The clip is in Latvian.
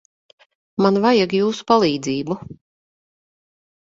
Man vajag jūsu palīdzību.